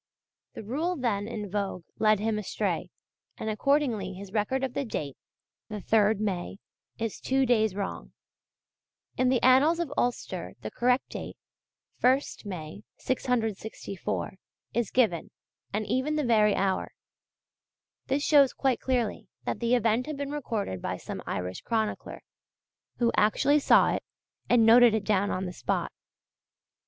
The rule then in vogue led him astray, and accordingly his record of the date the 3rd May is two days wrong. In the Annals of Ulster the correct date 1st May, 664 is given, and even the very hour. This shows quite clearly that the event had been recorded by some Irish chronicler, who actually saw it and noted it down on the spot.